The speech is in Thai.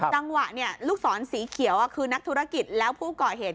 จังหวะลูกศรสีเขียวคือนักธุรกิจแล้วผู้ก่อเหตุ